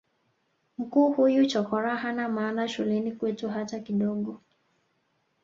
mkuu huyu chokoraa hana maana shuleni kwetu hata kidogo